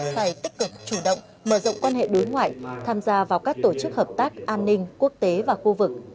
phải tích cực chủ động mở rộng quan hệ đối ngoại tham gia vào các tổ chức hợp tác an ninh quốc tế và khu vực